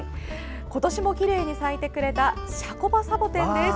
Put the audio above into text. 今年もきれいに咲いてくれたシャコバサボテンです。